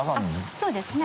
そうですね。